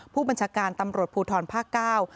ผู้บัญชาการตำรวจภูทรภาคเก้า